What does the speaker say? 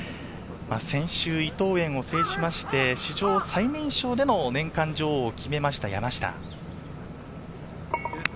先週、伊藤園を制して、史上最年少での年間女王を決めました、山下。